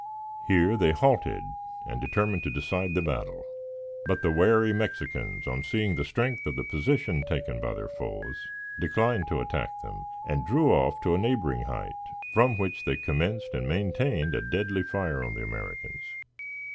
Here they halted and determined to decide the battle; but the wary Mexicans, on seeing the strength of the position taken by their foes, declined to attack them and drew off to a neighboring height, from which they commenced and maintained a deadly fire on the Americans.